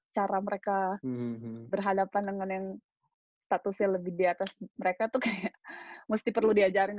cara mereka berhadapan dengan yang statusnya lebih di atas mereka tuh kayak mesti perlu diajarin